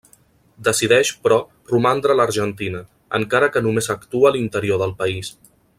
Decideix, però, romandre a l'Argentina, encara que només actua a l'interior del país.